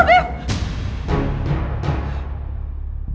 ya sudah lupa ya